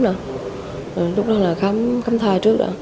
lúc đó là khám thai trước rồi